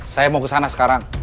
saya mau kesana sekarang